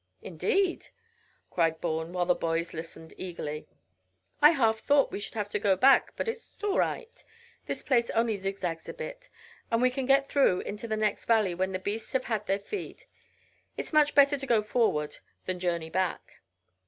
"Indeed?" cried Bourne, while the boys listened eagerly. "I half thought we should have to go back, but it's all right. This place only zigzags a bit, and we can get through into the next valley when the beasts have had their feed. It's much better to go forward than journey back."